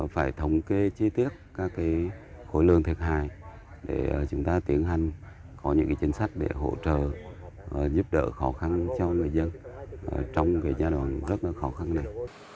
phải thống kê chi tiết các khối lượng thiệt hại để chúng ta tiến hành có những chính sách để hỗ trợ giúp đỡ khó khăn cho người dân trong giai đoạn rất khó khăn này